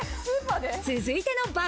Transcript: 続いての爆